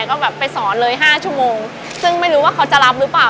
ก็แบบไปสอนเลยห้าชั่วโมงซึ่งไม่รู้ว่าเขาจะรับหรือเปล่า